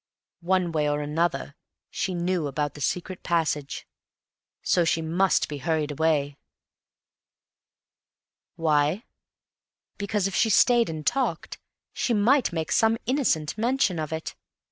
One way or another, she knew about the secret passage. So she must be hurried away. Why? Because if she stayed and talked, she might make some innocent mention of it.